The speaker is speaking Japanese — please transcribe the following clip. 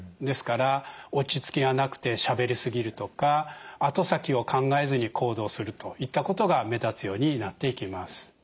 ですから落ち着きがなくてしゃべり過ぎるとか後先を考えずに行動するといったことが目立つようになっていきます。